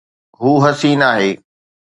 هو حسين آهي